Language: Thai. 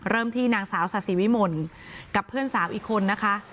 เริ่มที่นางสาวสาสีวิมนต์กับเพื่อนสาวอีกคนนะคะ